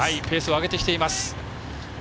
ペースを上げてきています。